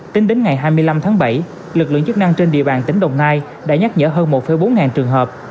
tính đến ngày hai mươi năm tháng bảy lực lượng chức năng trên địa bàn tỉnh đồng nai đã nhắc nhở hơn một bốn ngàn trường hợp